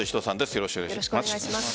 よろしくお願いします。